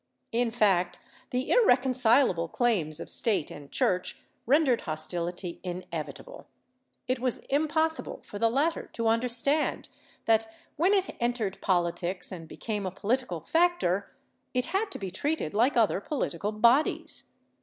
^ In fact, the irreconcileable claims of State and Church rendered hostility inevitable. It was impossible for the latter to understand that, when it entered politics and became a political factor, it had to be treated like other political bodies.